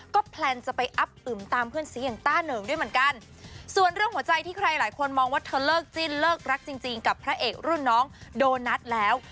ก็แพลนจะไปอับอึมตามเพื่อนสีอย่างต้าเหนิงด้วยเหมือนกันส่วนเรื่องหัวใจที่ใครหลายคนมองว่าเธอเลิกจิ้นเลิกรักจริงจริงกับพระเอกรุ่นน้องโดนัทแล้ว